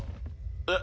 えっ？